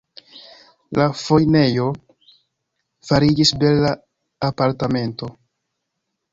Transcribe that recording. La fojnejo fariĝis bela apartamento.